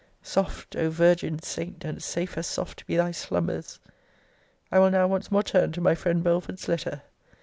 Soft, O virgin saint, and safe as soft, be thy slumbers! I will now once more turn to my friend Belford's letter.